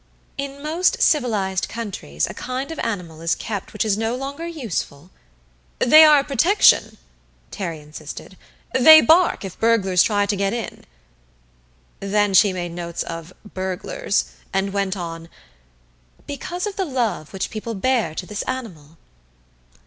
"In most civilized countries a kind of animal is kept which is no longer useful " "They are a protection," Terry insisted. "They bark if burglars try to get in." Then she made notes of "burglars" and went on: "because of the love which people bear to this animal."